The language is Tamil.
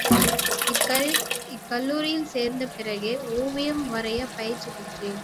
இக் கல்லூரியில் சேர்ந்த பிறகே, ஒவியம் வரையும் பயிற்சி பெற்றேன்.